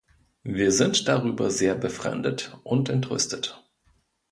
Wir sind darüber sehr befremdet und entrüstet.